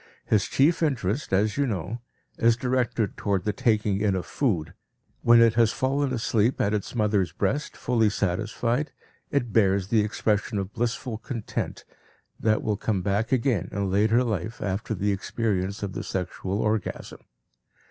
His chief interest, as you know, is directed toward the taking in of food; when it has fallen asleep at its mother's breast, fully satisfied, it bears the expression of blissful content that will come back again in later life after the experience of the sexual orgasm.